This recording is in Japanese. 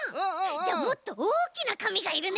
じゃあもっとおおきなかみがいるね。